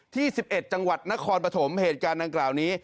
ที่๑๑จังหวัดนครปฐมเหตุการณ์ดังกล่าวนี้